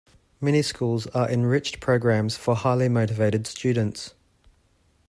Mini schools are enriched programs for highly motivated students.